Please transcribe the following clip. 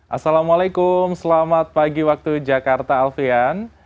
assalamualaikum selamat pagi waktu jakarta alfian